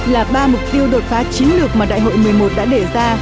là ba mục tiêu đột phá chiến lược mà đại hội một mươi một đã đề ra